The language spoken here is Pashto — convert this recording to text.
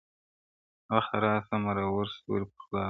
وخته راسه مرور ستوري پخلا کړو-